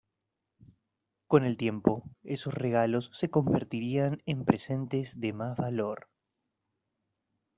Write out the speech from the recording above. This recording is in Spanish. Con el tiempo esos regalos se convertirían en presentes de más valor.